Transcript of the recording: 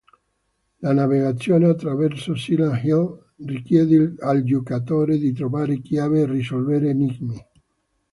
La navigazione attraverso Silent Hill richiede al giocatore di trovare chiavi e risolvere enigmi.